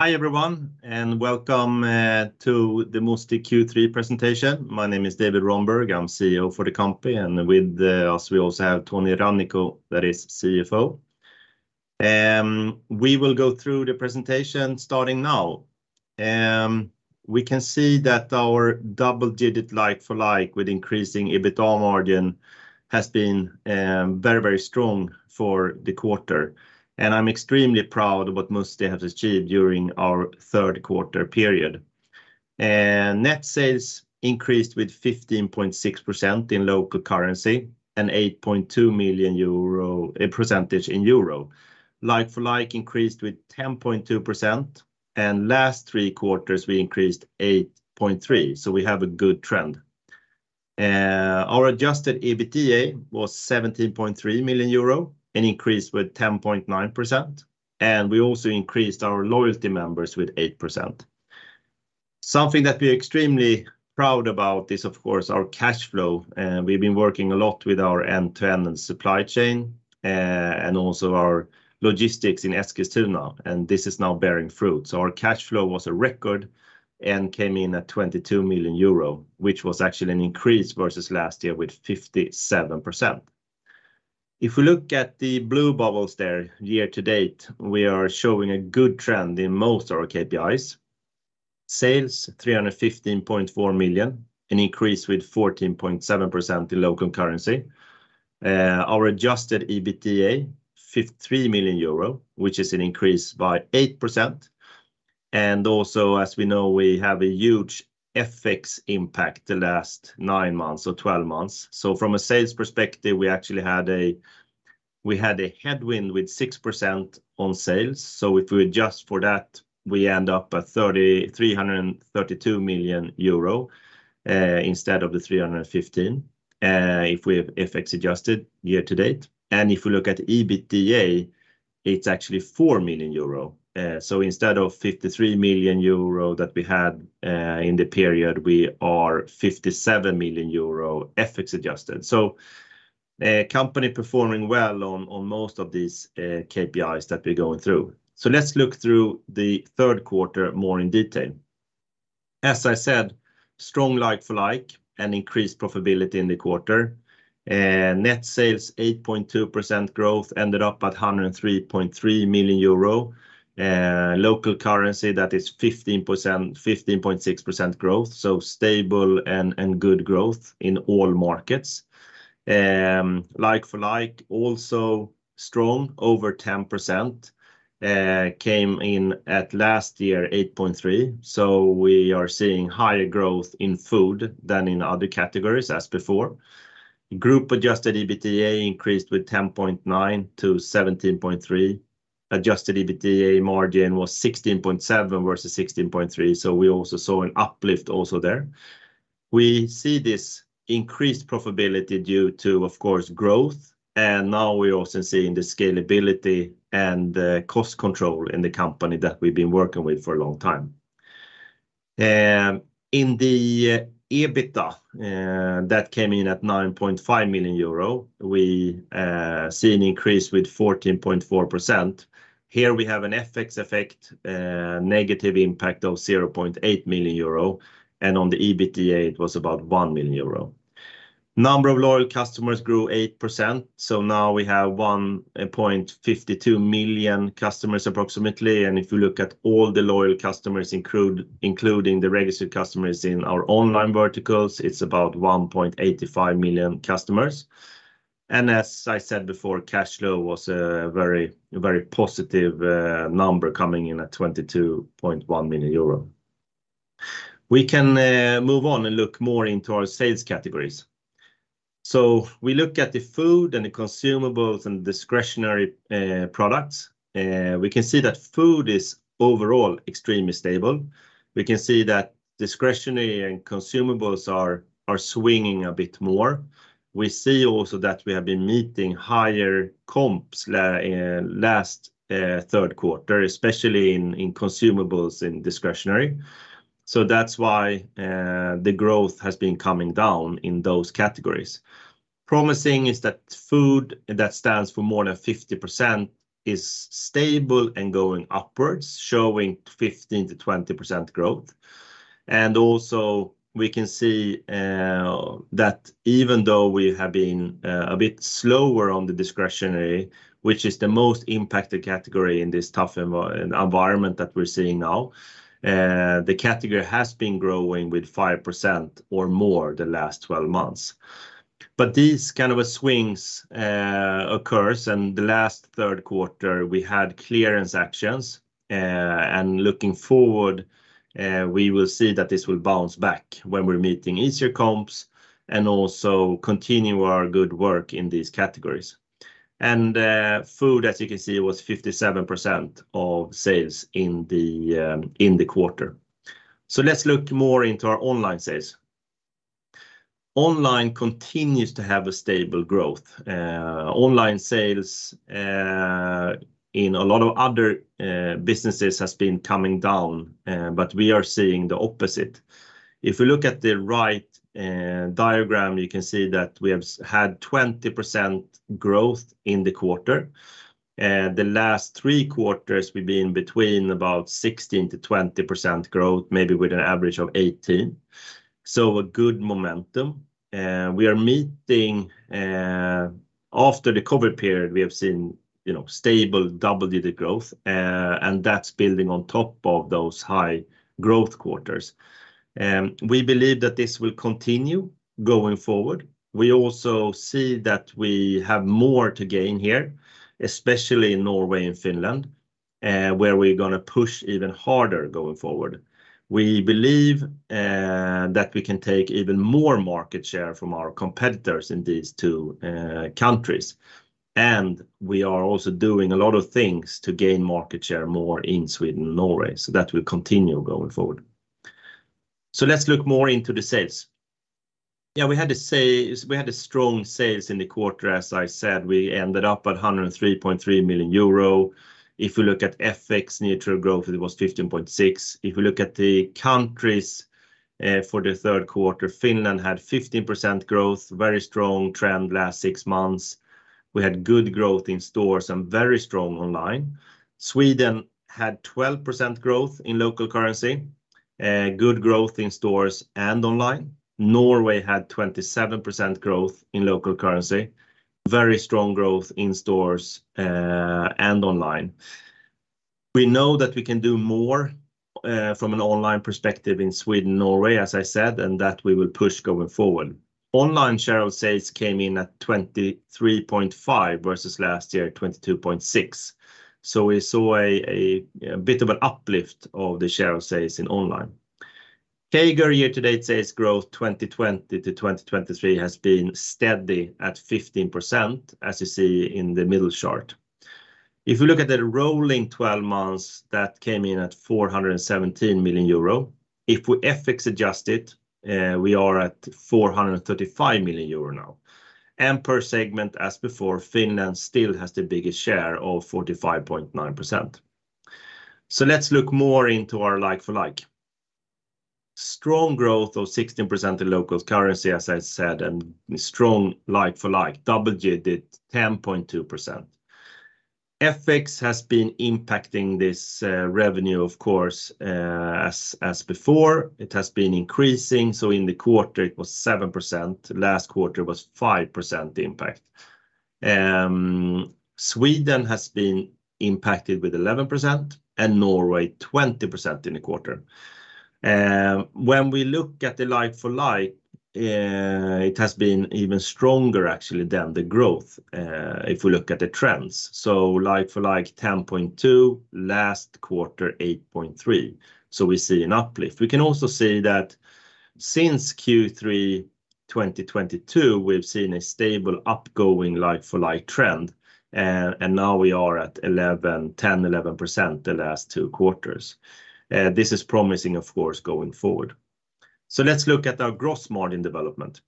Hi, everyone, and welcome, to the Musti Q3 presentation. My name is David Rönnberg. I'm CEO for the company, and with us, we also have Toni Rannikko, that is CFO. We will go through the presentation starting now. We can see that our double-digit like-for-like, with increasing EBITDA margin, has been very, very strong for the quarter, and I'm extremely proud of what Musti have achieved during our third quarter period. Net sales increased with 15.6% in local currency and 8.2 million euro, in percentage in euro. Like-for-like increased with 10.2%, and last 3 quarters we increased 8.3%, so we have a good trend. Our adjusted EBITDA was 17.3 million euro, an increase with 10.9%, and we also increased our loyalty members with 8%. Something that we're extremely proud about is, of course, our cash flow, and we've been working a lot with our end-to-end supply chain, and also our logistics in Eskilstuna, and this is now bearing fruit. Our cash flow was a record and came in at 22 million euro, which was actually an increase versus last year with 57%. If we look at the blue bubbles there, year to date, we are showing a good trend in most of our KPIs. Sales, 315.4 million, an increase with 14.7% in local currency. Our adjusted EBITDA, 53 million euro, which is an increase by 8%. Also, as we know, we have a huge FX impact the last 9 months or 12 months. From a sales perspective, we actually had a headwind with 6% on sales. If we adjust for that, we end up at 3,332 million euro, instead of the 315 million, if we have FX adjusted year to date. If we look at EBITDA, it's actually 4 million euro. Instead of 53 million euro that we had in the period, we are 57 million euro FX adjusted. Company performing well on most of these KPIs that we're going through. Let's look through the third quarter more in detail. As I said, strong like-for-like and increased profitability in the quarter. Net sales, 8.2% growth, ended up at 103.3 million euro. Local currency, that is 15%, 15.6% growth, so stable and, and good growth in all markets. Like-for-like, also strong, over 10%, came in at last year, 8.3. We are seeing higher growth in food than in other categories as before. Group adjusted EBITDA increased with 10.9 million to 17.3 million. Adjusted EBITDA margin was 16.7% versus 16.3%. We also saw an uplift also there. We see this increased profitability due to, of course, growth, and now we're also seeing the scalability and the cost control in the company that we've been working with for a long time. In the EBITDA that came in at 9.5 million euro, we see an increase with 14.4%. Here we have an FX effect, negative impact of 0.8 million euro. On the EBITDA, it was about 1 million euro. Number of loyal customers grew 8%. Now we have 1.52 million customers, approximately. If you look at all the loyal customers, including the registered customers in our online verticals, it's about 1.85 million customers. As I said before, cash flow was a very, very positive number coming in at 22.1 million euro. We can move on and look more into our sales categories. We look at the food and the consumables and discretionary products. We can see that food is overall extremely stable. We can see that discretionary and consumables are swinging a bit more. We see also that we have been meeting higher comps last third quarter, especially in consumables and discretionary. That's why the growth has been coming down in those categories. Promising is that food that stands for more than 50% is stable and going upwards, showing 15%-20% growth. Also, we can see that even though we have been a bit slower on the discretionary, which is the most impacted category in this tough environment that we're seeing now, the category has been growing with 5% or more the last 12 months. These kind of a swings occurs, and the last third quarter, we had clearance actions. Looking forward, we will see that this will bounce back when we're meeting easier comps and also continue our good work in these categories. Food, as you can see, was 57% of sales in the quarter. Let's look more into our online sales. Online continues to have a stable growth. Online sales, in a lot of other businesses, has been coming down, but we are seeing the opposite. If you look at the right diagram, you can see that we have had 20% growth in the quarter. The last three quarters, we've been between about 16%-20% growth, maybe with an average of 18. A good momentum, we are meeting, after the COVID period, we have seen, you know, stable double-digit growth, and that's building on top of those high growth quarters. We believe that this will continue going forward. We also see that we have more to gain here, especially in Norway and Finland, where we're gonna push even harder going forward. We believe that we can take even more market share from our competitors in these two countries. We are also doing a lot of things to gain market share more in Sweden and Norway, so that will continue going forward. Let's look more into the sales. Yeah, we had to say we had a strong sales in the quarter. As I said, we ended up at 103.3 million euro. If you look at FX neutral growth, it was 15.6%. If you look at the countries, for the third quarter, Finland had 15% growth, very strong trend last six months. We had good growth in stores and very strong online. Sweden had 12% growth in local currency, good growth in stores and online. Norway had 27% growth in local currency, very strong growth in stores and online. We know that we can do more from an online perspective in Sweden and Norway, as I said, and that we will push going forward. Online share of sales came in at 23.5 versus last year, 22.6. We saw a bit of an uplift of the share of sales in online. CAGR year-to-date sales growth, 2020 to 2023 has been steady at 15%, as you see in the middle chart. If you look at the rolling 12 months, that came in at 417 million euro. If we FX adjust it, we are at 435 million euro now. Per segment, as before, Finland still has the biggest share of 45.9%. Let's look more into our like-for-like. Strong growth of 16% in local currency, as I said, and strong like-for-like, double digit, 10.2%. FX has been impacting this revenue, of course, as, as before, it has been increasing, so in the quarter it was 7%. Last quarter was 5% impact. Sweden has been impacted with 11% and Norway, 20% in the quarter. When we look at the like-for-like, it has been even stronger actually than the growth, if we look at the trends. Like-for-like, 10.2, last quarter, 8.3. We see an uplift. We can also see that since Q3 2022, we've seen a stable upgoing like-for-like trend, and now we are at 11, 10, 11% the last two quarters. This is promising, of course, going forward. Let's look at our gross margin development.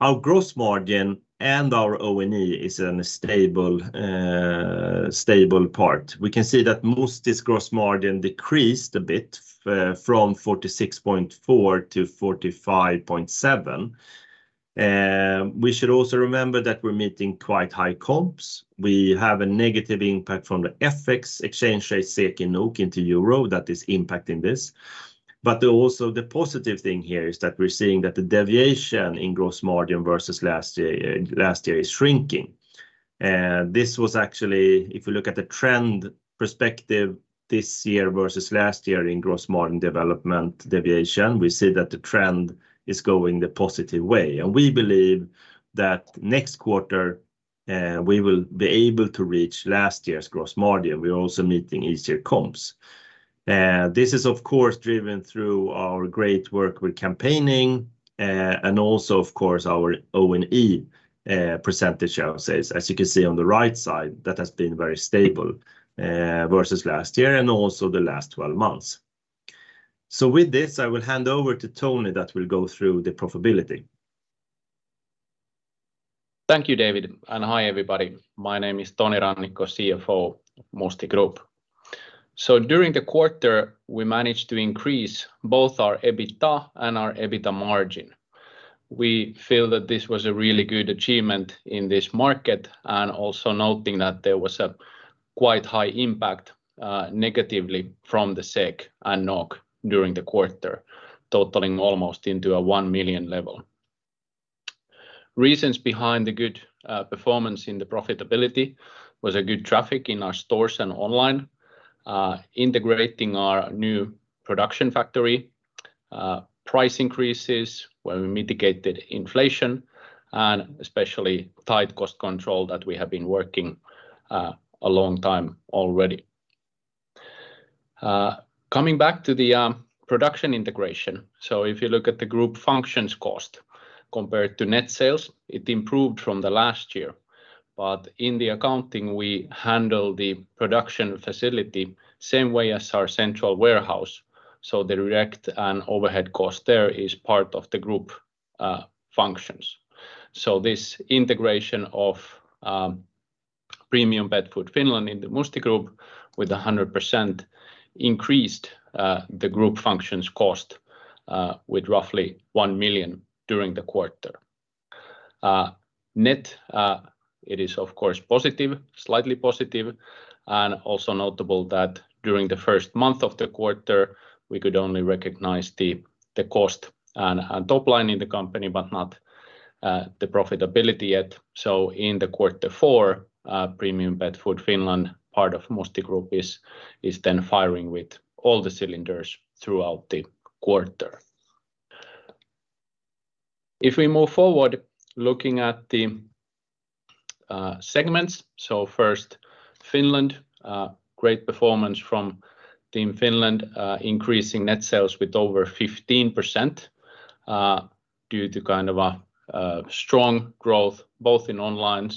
Our gross margin and our O&E is in a stable, stable part. We can see that Musti's gross margin decreased a bit, from 46.4 to 45.7. We should also remember that we're meeting quite high comps. We have a negative impact from the FX exchange rate, SEK and NOK into euro, that is impacting this. Also the positive thing here is that we're seeing that the deviation in gross margin versus last year, last year is shrinking. This was actually, if you look at the trend perspective this year versus last year in gross margin development deviation, we see that the trend is going the positive way, and we believe that next quarter, we will be able to reach last year's gross margin. We are also meeting easier comps. This is of course, driven through our great work with campaigning, and also, of course, our O&E percentage, I would say, as you can see on the right side, that has been very stable, versus last year and also the last 12 months. With this, I will hand over to Toni, that will go through the profitability. Thank you, David. Hi, everybody. My name is Toni Rannikko, CFO, Musti Group. During the quarter, we managed to increase both our EBITDA and our EBITDA margin. We feel that this was a really good achievement in this market, also noting that there was a quite high impact negatively from the SEK and NOK during the quarter, totaling almost into a 1 million level. Reasons behind the good performance in the profitability was a good traffic in our stores and online, integrating our new production factory, price increases, where we mitigated inflation, and especially tight cost control that we have been working a long time already. Coming back to the production integration. If you look at the group functions cost compared to net sales, it improved from the last year. In the accounting, we handle the production facility same way as our central warehouse. The direct and overhead cost there is part of the group functions. This integration of Premium Pet Food Finland in the Musti Group, with a 100% increased the group functions cost, with roughly 1 million during the quarter. Net, it is of course positive, slightly positive, and also notable that during the first month of the quarter, we could only recognize the cost and top line in the company, but not the profitability yet. In the quarter four, Premium Pet Food Finland, part of Musti Group, is then firing with all the cylinders throughout the quarter. If we move forward looking at the segments, first, Finland. Great performance from Team Finland, increasing net sales with over 15%, due to kind of a strong growth both in online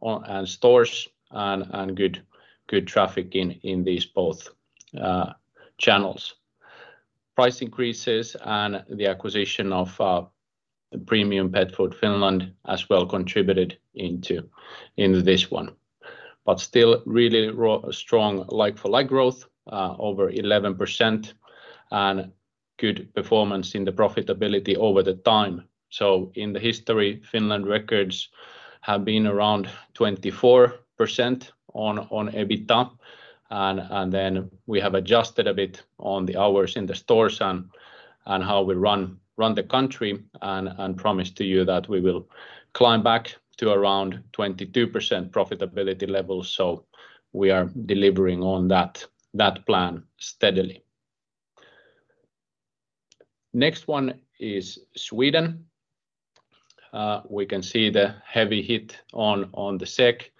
on and stores and good, good traffic in these both channels. Price increases and the acquisition of the Premium Pet Food Suomi Oy as well contributed into this one. Still really strong Like-for-like growth, over 11%, and good performance in the profitability over the time. In the history, Finland records have been around 24% on EBITDA, and then we have adjusted a bit on the hours in the stores and how we run the country and promise to you that we will climb back to around 22% profitability level. We are delivering on that plan steadily. Next one is Sweden. We can see the heavy hit on, on the SEK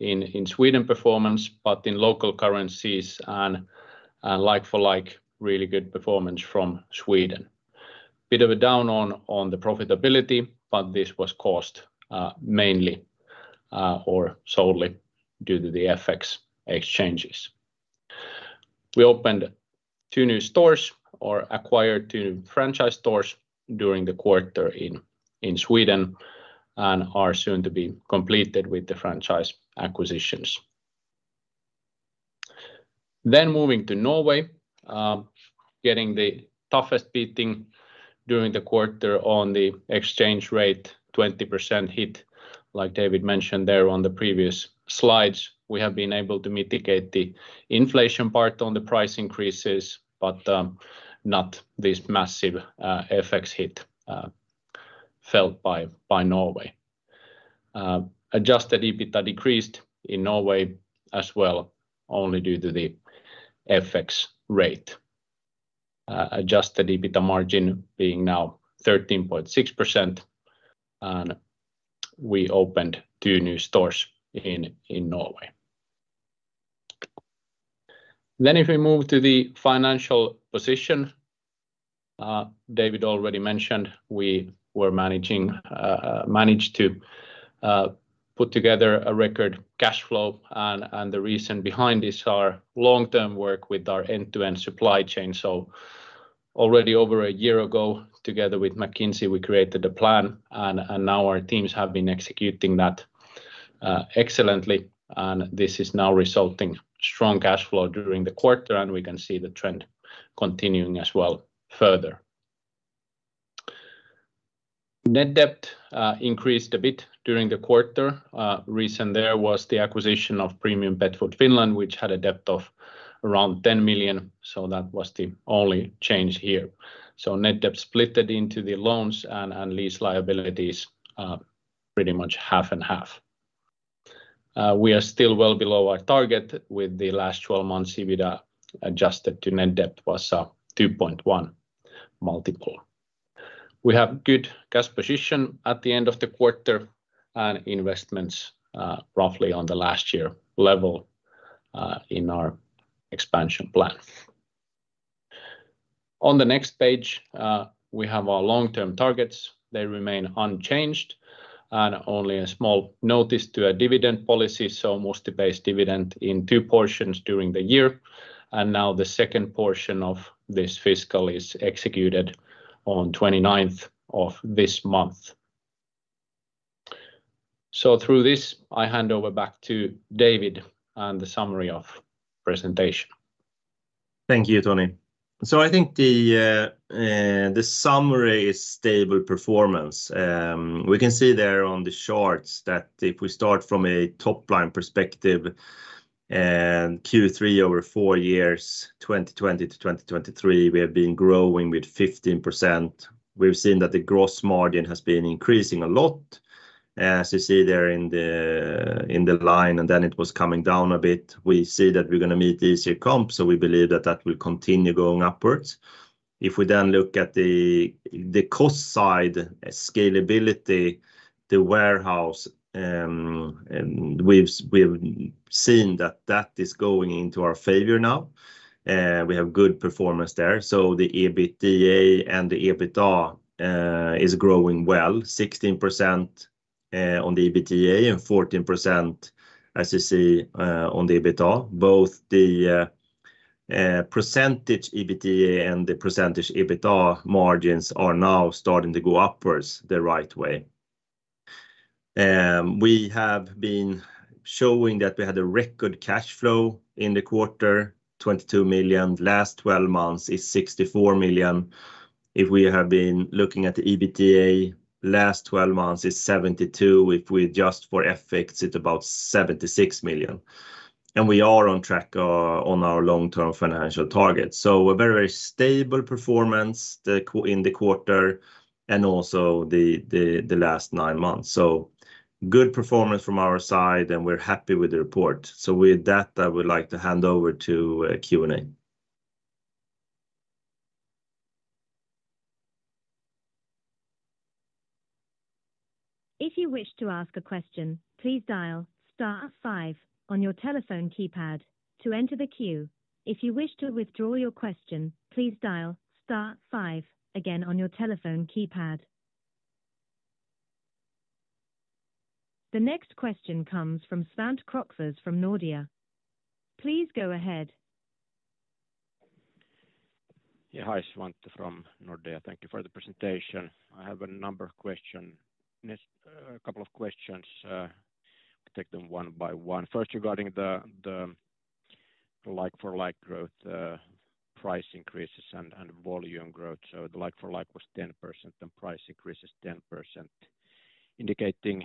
in, in Sweden performance, but in local currencies and, like-for-like, really good performance from Sweden. Bit of a down on, on the profitability, but this was caused, mainly, or solely due to the FX exchanges. We opened 2 new stores or acquired 2 franchise stores during the quarter in, in Sweden and are soon to be completed with the franchise acquisitions. Moving to Norway, getting the toughest beating during the quarter on the exchange rate, 20% hit, like David mentioned there on the previous slides. We have been able to mitigate the inflation part on the price increases, but not this massive FX hit, felt by, by Norway. Adjusted EBITDA decreased in Norway as well, only due to the FX rate. Adjusted EBITDA margin being now 13.6%, we opened two new stores in Norway. If we move to the financial position, David already mentioned, we were managing, managed to put together a record cash flow. The reason behind this, our long-term work with our end-to-end supply chain. Already over a year ago, together with McKinsey, we created a plan, now our teams have been executing that excellently. This is now resulting strong cash flow during the quarter, and we can see the trend continuing as well further. Net debt increased a bit during the quarter. Reason there was the acquisition of Premium Pet Food Suomi Oy, which had a debt of around 10 million, that was the only change here. Net debt splitted into the loans and, and lease liabilities are pretty much 50/50. We are still well below our target with the last 12 months EBITDA adjusted to net debt was 2.1 multiple. We have good cash position at the end of the quarter and investments roughly on the last year level in our expansion plan. On the next page, we have our long-term targets. They remain unchanged and only a small notice to our dividend policy, so Musti pays dividend in 2 portions during the year, and now the second portion of this fiscal is executed on 29th of this month. Through this, I hand over back to David and the summary of presentation. Thank you, Toni. I think the summary is stable performance. We can see there on the charts that if we start from a top-line perspective and Q3 over 4 years, 2020-2023, we have been growing with 15%. We've seen that the gross margin has been increasing a lot, as you see there in the line, and then it was coming down a bit. We see that we're going to meet easier comp, so we believe that that will continue going upwards. If we then look at the cost side, scalability, the warehouse, we've seen that that is going into our favor now, we have good performance there. The EBITA and the EBITDA is growing well, 16% on the EBITA and 14%, as you see, on the EBITDA. Both the percentage EBITDA and the percentage EBITDA margins are now starting to go upwards the right way. We have been showing that we had a record cash flow in the quarter, 22 million. Last 12 months is 64 million. If we have been looking at the EBITDA, last 12 months is 72 million. If we adjust for FX, it's about 76 million, and we are on track on our long-term financial targets. A very, very stable performance in the quarter and also the last nine months. Good performance from our side, and we're happy with the report. With that, I would like to hand over to Q&A. If you wish to ask a question, please dial star five on your telephone keypad to enter the queue. If you wish to withdraw your question, please dial star five again on your telephone keypad. The next question comes from Svante Krokfors from Nordea. Please go ahead. Yeah. Hi, Svante from Nordea. Thank you for the presentation. I have a number of question, a couple of questions. Take them one by one. First, regarding the, the like-for-like growth, price increases, and, and volume growth. The like-for-like was 10%, and price increase is 10%, indicating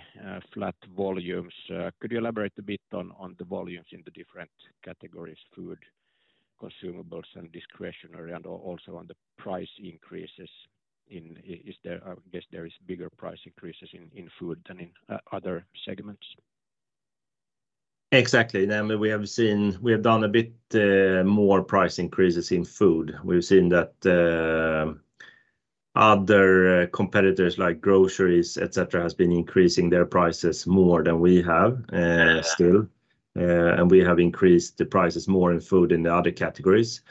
flat volumes. Could you elaborate a bit on, on the volumes in the different categories, food, consumables, and discretionary, and also on the price increases in. Is there, I guess there is bigger price increases in, in food than in, other segments? Exactly. I mean, we have seen- we have done a bit, more price increases in food. We've seen that, other competitors, like groceries, et cetera, has been increasing their prices more than we have, still. We have increased the prices more in food than the other categories.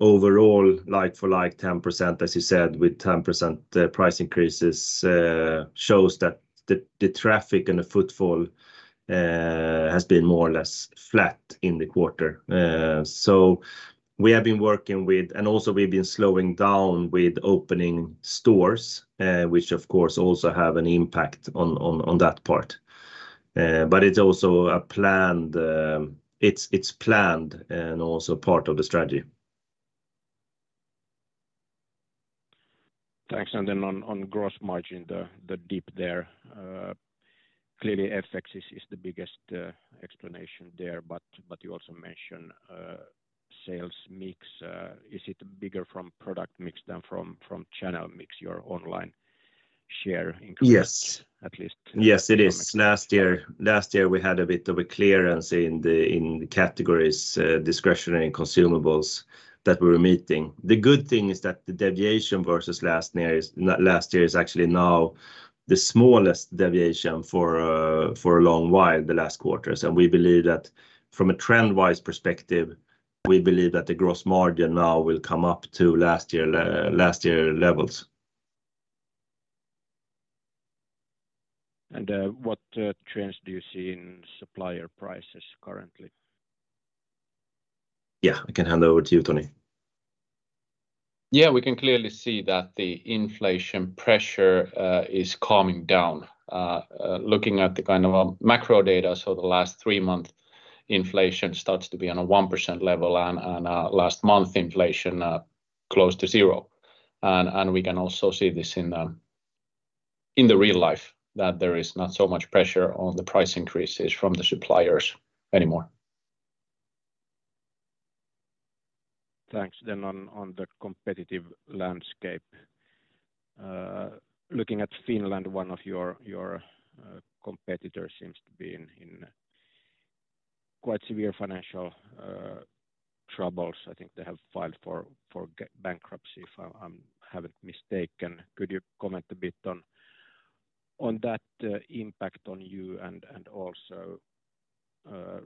Overall, Like-for-like 10%, as you said, with 10% price increases, shows that the, the traffic and the footfall, has been more or less flat in the quarter. We have been working with, and also we've been slowing down with opening stores, which of course, also have an impact on, on, on that part. It's also a planned... It's, it's planned and also part of the strategy. Thanks. Then on, on gross margin, the, the dip there, clearly, FX is, is the biggest explanation there, but, but you also mentioned, sales mix. Is it bigger from product mix than from, from channel mix, your online share increase? Yes. At least- Yes, it is. Last year, last year, we had a bit of a clearance in the, in the categories, discretionary consumables that we were meeting. The good thing is that the deviation versus last year is, last year is actually now the smallest deviation for a, for a long while, the last quarters. We believe that from a trend-wise perspective, we believe that the gross margin now will come up to last year last year levels. What trends do you see in supplier prices currently? Yeah, I can hand over to you, Toni. Yeah, we can clearly see that the inflation pressure is calming down. Looking at the kind of macro data, so the last 3-month inflation starts to be on a 1% level, and last month, inflation close to 0. We can also see this in the real life, that there is not so much pressure on the price increases from the suppliers anymore. Thanks. Then on, on the competitive landscape, looking at Finland, one of your, your competitors seems to be in, in quite severe financial troubles. I think they have filed for, for bankruptcy, if I, I'm haven't mistaken. Could you comment a bit on, on that impact on you and, and also,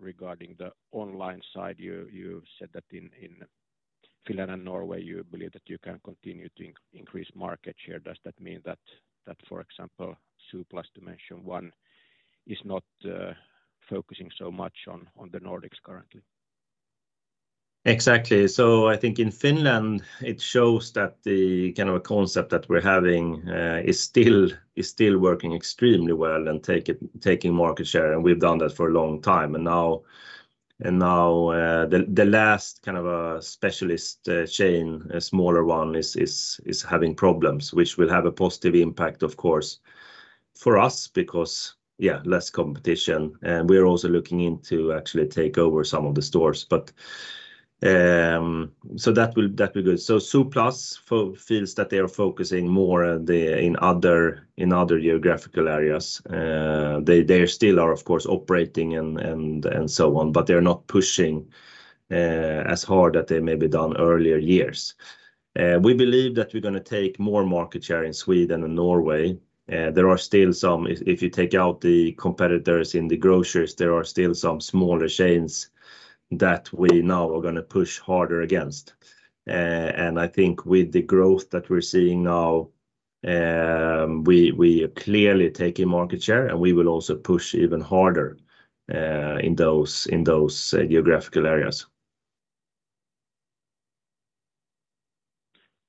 regarding the online side, you, you said that in, in Finland and Norway, you believe that you can continue to increase market share? Does that mean that, that, for example, Zooplus is not focusing so much on, on the Nordics currently? Exactly. I think in Finland, it shows that the kind of a concept that we're having, is still working extremely well and taking market share. We've done that for a long time. Now, the last kind of, specialist, chain, a smaller one, is having problems which will have a positive impact, of course, for us, because, yeah, less competition. We are also looking into actually take over some of the stores. That will be good. Zolus feels that they are focusing more the, in other geographical areas. They still are, of course, operating and so on, but they are not pushing as hard that they may be done earlier years. We believe that we're gonna take more market share in Sweden and Norway. There are still some. If you take out the competitors in the groceries, there are still some smaller chains that we now are gonna push harder against. I think with the growth that we're seeing now, we are clearly taking market share, and we will also push even harder, in those, in those geographical areas....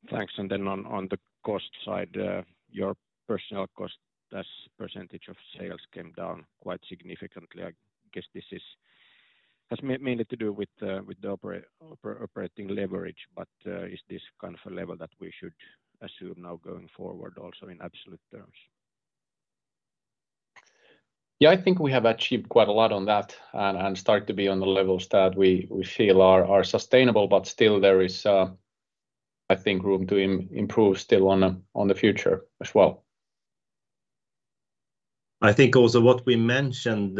Thanks. On, on the cost side, your personal cost as % of sales came down quite significantly. I guess this is, has mainly to do with, with the operating leverage. Is this kind of a level that we should assume now going forward also in absolute terms? Yeah, I think we have achieved quite a lot on that and, and start to be on the levels that we, we feel are, are sustainable. Still there is, I think, room to improve still on the, on the future as well. I think also what we mentioned,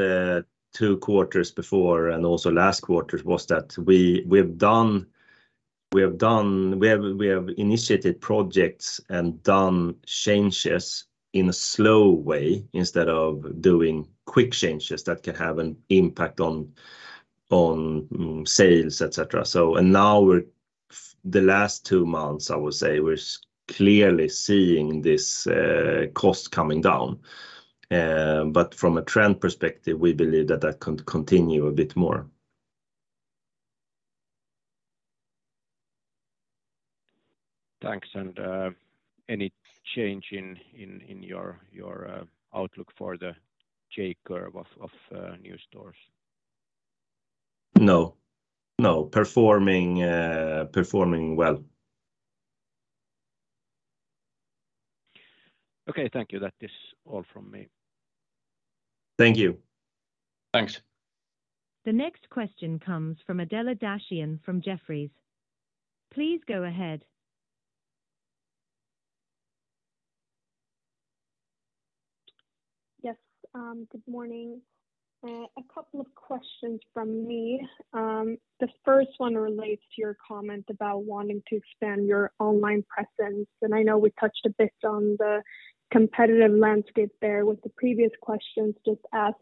two quarters before and also last quarter, was that we have initiated projects and done changes in a slow way, instead of doing quick changes that can have an impact on sales, et cetera. Now the last two months, I would say, we're clearly seeing this cost coming down. From a trend perspective, we believe that that can continue a bit more. Thanks. Any change in, in, in your, your, outlook for the J-curve of, of, new stores? No. No, performing, performing well. Okay. Thank you. That is all from me. Thank you. Thanks. The next question comes from Adela Dashian from Jefferies. Please go ahead. Yes, good morning. A couple of questions from me. The first one relates to your comment about wanting to expand your online presence, and I know we touched a bit on the competitive landscape there with the previous questions just asked.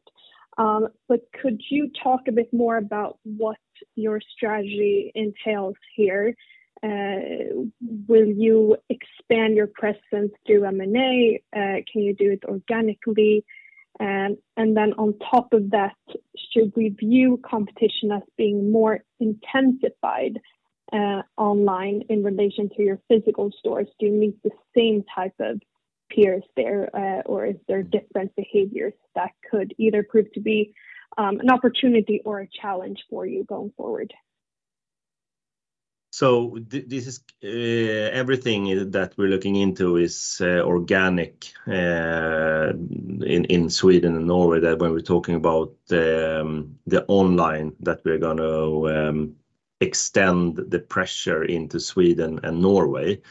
Could you talk a bit more about what your strategy entails here? Will you expand your presence through M&A? Can you do it organically? Then on top of that, should we view competition as being more intensified, online in relation to your physical stores? Do you meet the same type of peers there, or is there different behaviors that could either prove to be an opportunity or a challenge for you going forward? This is everything that we're looking into is organic in Sweden and Norway, that when we're talking about the online, that we're gonna extend the pressure into Sweden and Norway.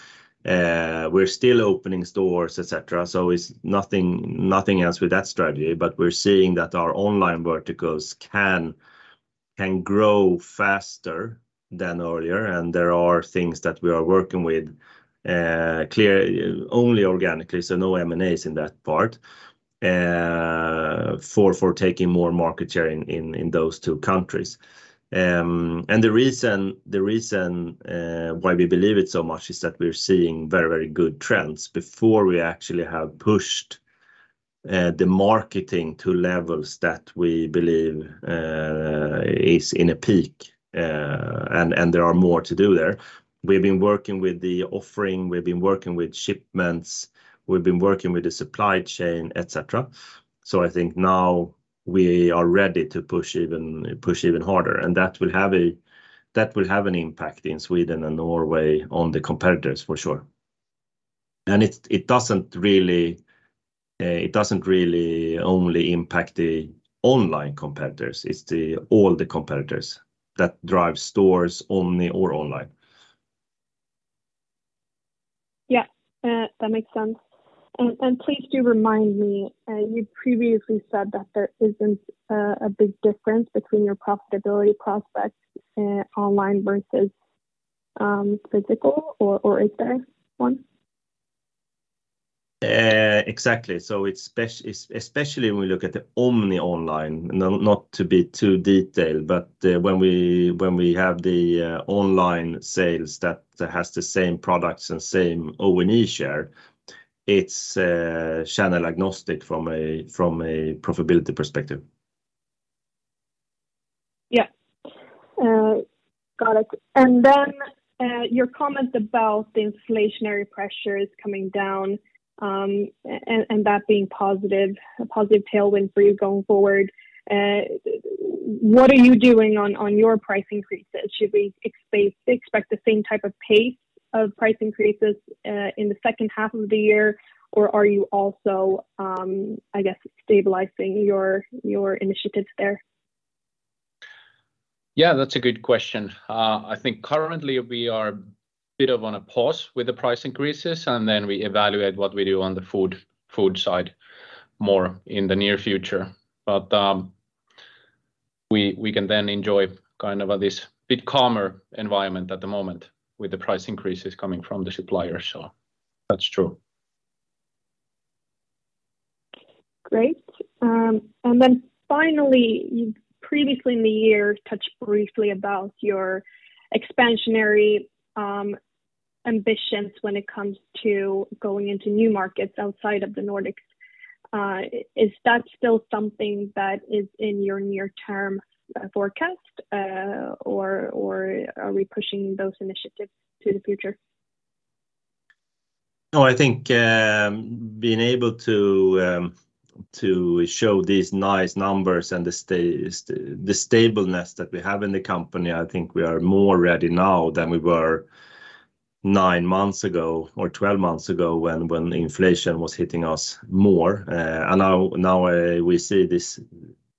We're still opening stores, et cetera, so it's nothing, nothing else with that strategy. We're seeing that our online verticals can, can grow faster than earlier, and there are things that we are working with only organically, so no M&As in that part. For taking more market share in those two countries. The reason why we believe it so much is that we're seeing very, very good trends before we actually have pushed the marketing to levels that we believe is in a peak. There are more to do there. We've been working with the offering, we've been working with shipments, we've been working with the supply chain, et cetera. I think now we are ready to push even, push even harder, and that will have that will have an impact in Sweden and Norway on the competitors, for sure. It, it doesn't really, it doesn't really only impact the online competitors, it's the all the competitors that drive stores only or online. Yeah, that makes sense. Please do remind me, you previously said that there isn't a big difference between your profitability prospects, online versus physical, or, or is there one? Exactly. It's especially when we look at the omni online. Not, not to be too detailed, but when we, when we have the online sales that has the same products and same O&E share, it's channel agnostic from a profitability perspective. Yeah. got it. Your comment about the inflationary pressures coming down, and, and that being positive, a positive tailwind for you going forward. What are you doing on, on your price increases? Should we expect the same type of pace of price increases, in the second half of the year, or are you also, I guess, stabilizing your, your initiatives there? Yeah, that's a good question. I think currently we are a bit of on a pause with the price increases, and then we evaluate what we do on the food, food side more in the near future. We, we can then enjoy kind of this bit calmer environment at the moment with the price increases coming from the supplier. That's true. Great. Then finally, you previously in the year touched briefly about your expansionary ambitions when it comes to going into new markets outside of the Nordics. Is that still something that is in your near-term forecast, or are we pushing those initiatives to the future? I think, being able to, to show these nice numbers and the stableness that we have in the company, I think we are more ready now than we were 9 months ago or 12 months ago when, when inflation was hitting us more. Now, now, we see this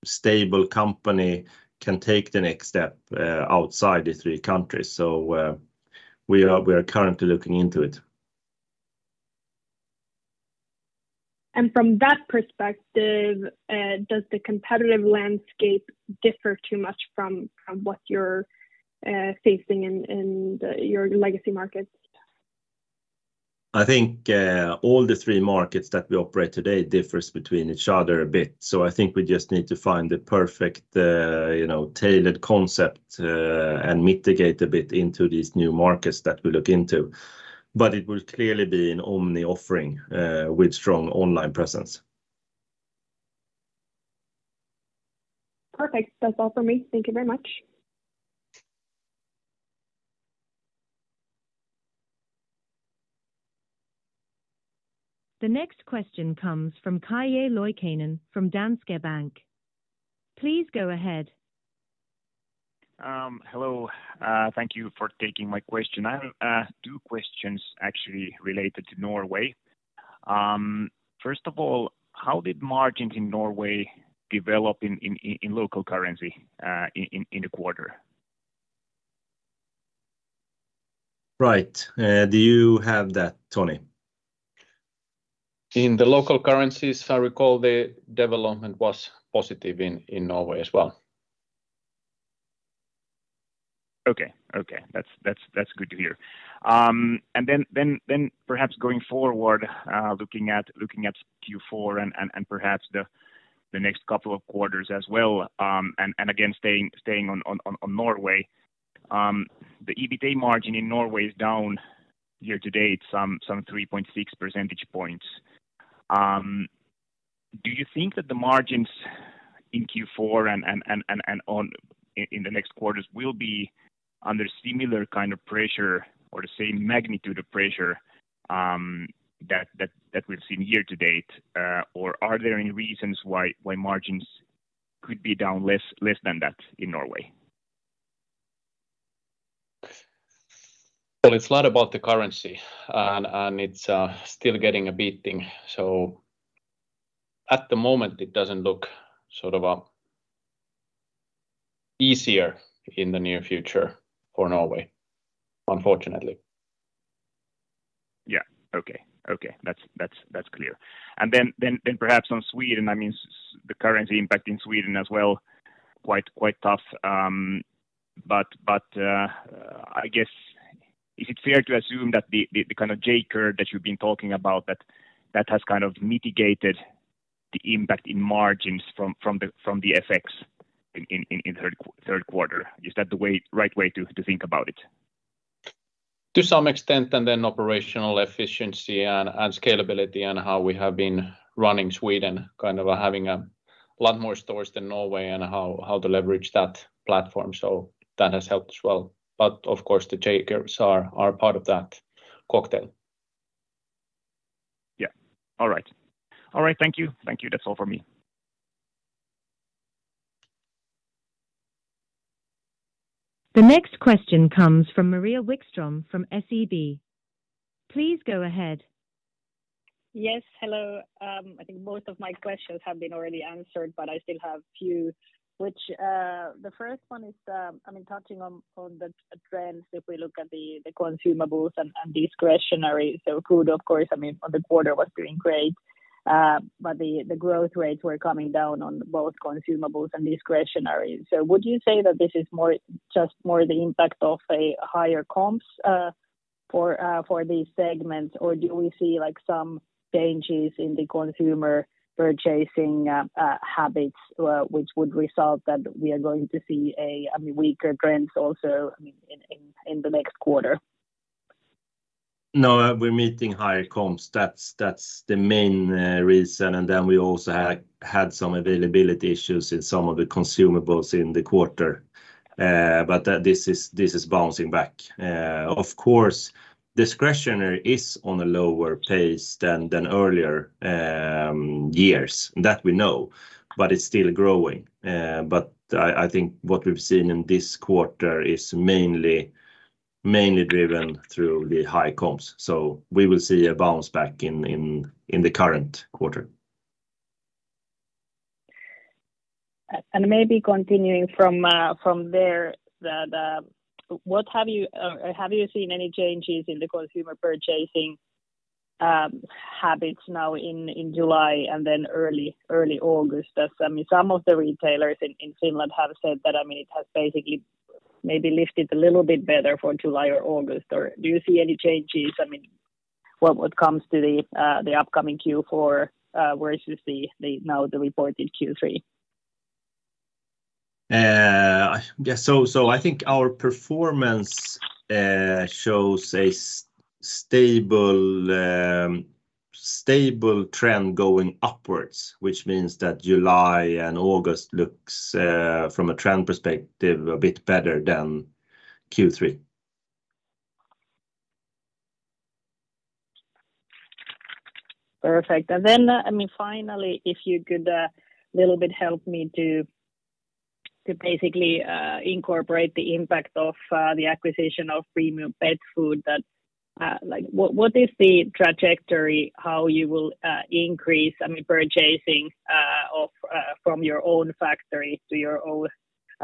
stable company can take the next step, outside the 3 countries. We are, we are currently looking into it. From that perspective, does the competitive landscape differ too much from what you're facing in the, your legacy markets? I think, all the three markets that we operate today differs between each other a bit. I think we just need to find the perfect, you know, tailored concept, and mitigate a bit into these new markets that we look into. It will clearly be an omni offering, with strong online presence. Perfect. That's all for me. Thank you very much. The next question comes from Kalle Karppinen from Danske Bank. Please go ahead. Hello. Thank you for taking my question. I have 2 questions actually related to Norway. First of all, how did margins in Norway develop in local currency in the quarter? Right. Do you have that, Tony? In the local currencies, I recall the development was positive in, in Norway as well. Okay. Okay, that's, that's, that's good to hear. Perhaps going forward, looking at, looking at Q4 and, and, and perhaps the, the next couple of quarters as well, staying, staying on, on, on, on Norway. The EBITA margin in Norway is down year to date, some, some 3.6 percentage points. Do you think that the margins in Q4 and, and, and, and in, in the next quarters will be under similar kind of pressure or the same magnitude of pressure, that, that, that we've seen year to date? Are there any reasons why, why margins could be down less, less than that in Norway? Well, it's a lot about the currency, and it's still getting a beating. At the moment, it doesn't look sort of easier in the near future for Norway, unfortunately. Yeah. Okay, okay. That's, that's, that's clear. Then perhaps on Sweden, I mean, the currency impact in Sweden as well, quite, quite tough. I guess, is it fair to assume that the kind of J-curve that you've been talking about, that has kind of mitigated the impact in margins from the FX in third quarter? Is that the right way to think about it? To some extent, and then operational efficiency and, and scalability and how we have been running Sweden, kind of having a lot more stores than Norway, and how, how to leverage that platform. That has helped as well. Of course, the J-curves are, are part of that cocktail. Yeah. All right. All right, thank you. Thank you. That's all for me. The next question comes from Maria Wikström, from SEB. Please go ahead. Yes, hello. I think both of my questions have been already answered, but I still have few, which, the first one is, I mean, touching on, on the trends, if we look at the, the consumables and, and discretionary. Food, of course, I mean, on the quarter was doing great, but the, the growth rates were coming down on both consumables and discretionary. Would you say that this is more, just more the impact of a higher comps, for, for these segments? Or do we see, like, some changes in the consumer purchasing habits, which would result that we are going to see a, I mean, weaker trends also, I mean, in, in, in the next quarter? No, we're meeting higher comps. That's, that's the main reason. Then we also had, had some availability issues in some of the consumables in the quarter. This is, this is bouncing back. Of course, discretionary is on a lower pace than, than earlier years. That we know, but it's still growing. I think what we've seen in this quarter is mainly, mainly driven through the high comps, so we will see a bounce back in, in, in the current quarter. Maybe continuing from there, what have you seen any changes in the consumer purchasing habits now in July and then early August? As, I mean, some of the retailers in Finland have said that, I mean, it has basically maybe lifted a little bit better for July or August. Do you see any changes, I mean, what comes to the upcoming Q4 versus the now the reported Q3? Yeah, so I think our performance shows a stable, stable trend going upwards, which means that July and August looks from a trend perspective, a bit better than Q3. Perfect. Then, I mean, finally, if you could, little bit help me to basically incorporate the impact of the acquisition of Premium Pet Food that, like what is the trajectory, how you will increase, I mean, purchasing of from your own factory to your own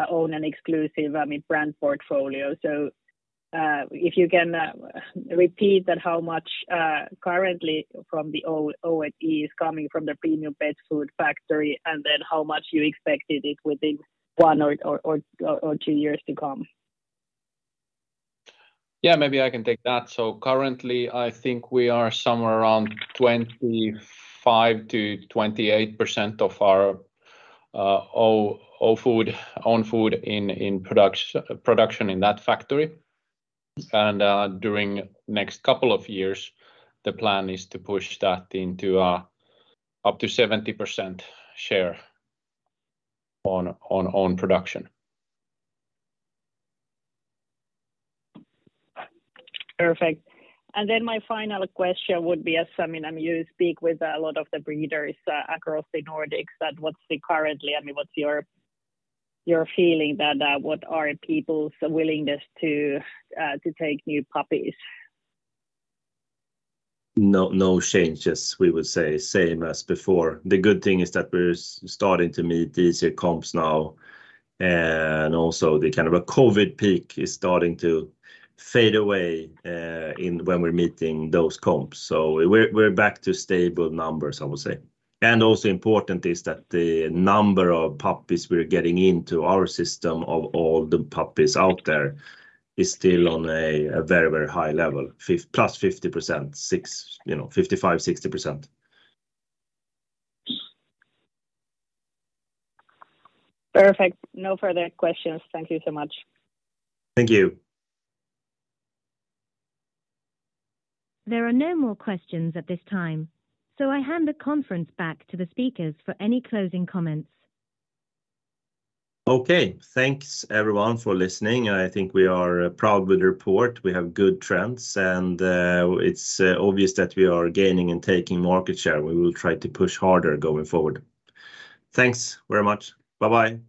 own and exclusive, I mean, brand portfolio? If you can repeat that, how much currently from the O&E is coming from the Premium Pet Food factory, and then how much you expected it within one or two years to come? Yeah, maybe I can take that. Currently, I think we are somewhere around 25%-28% of our own food in production in that factory. During next couple of years, the plan is to push that into up to 70% share on own production. Perfect. My final question would be, as, I mean, you speak with a lot of the breeders across the Nordics, that I mean, what's your feeling that what are people's willingness to take new puppies? No, no changes, we would say same as before. The good thing is that we're starting to meet easier comps now, and also the kind of a COVID peak is starting to fade away in when we're meeting those comps. We're, we're back to stable numbers, I would say. Also important is that the number of puppies we're getting into our system, of all the puppies out there, is still on a, a very, very high level, +50%, you know, 55%-60%. Perfect. No further questions. Thank you so much. Thank you. There are no more questions at this time. I hand the conference back to the speakers for any closing comments. Okay. Thanks everyone for listening. I think we are proud with the report. We have good trends, and it's obvious that we are gaining and taking market share. We will try to push harder going forward. Thanks very much. Bye-bye.